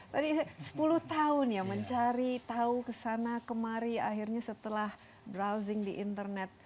tadi sepuluh tahun ya mencari tahu kesana kemari akhirnya setelah browsing di internet